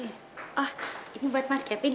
oh ini buat mas kevin